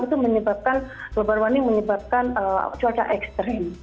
itu menyebabkan global warming menyebabkan cuaca ekstrim